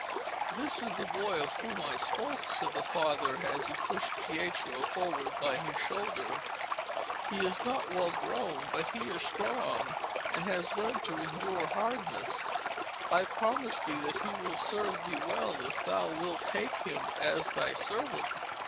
'This is the boy of whom I spoke,' said the father as he pushed Pietro forward by his shoulder. 'He is not well grown, but he is strong, and has learnt to endure hardness. I promise thee that he will serve thee well if thou wilt take him as thy servant.'